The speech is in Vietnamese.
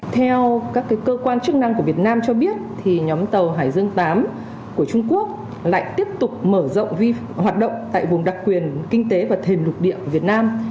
theo các cơ quan chức năng của việt nam cho biết nhóm tàu hải dương viii của trung quốc lại tiếp tục mở rộng hoạt động tại vùng đặc quyền kinh tế và thềm lục địa việt nam